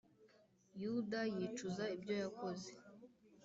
Yuda yicuza ibyo yakoze